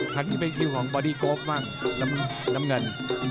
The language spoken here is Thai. คันนี้เป็นคิวของบอดี้โก๊ปบ้างน้ำเงิน